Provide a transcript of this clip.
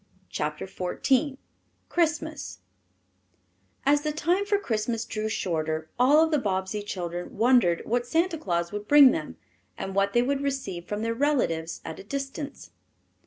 CHAPTER XIV CHRISTMAS As the time for Christmas drew shorter all of the Bobbsey children wondered what Santa Claus would bring them and what they would receive from their relatives at a distance.